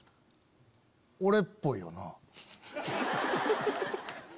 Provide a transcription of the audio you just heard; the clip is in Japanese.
俺っぽいよな。